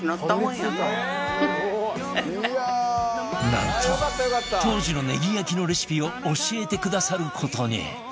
なんと当時のネギ焼きのレシピを教えてくださる事に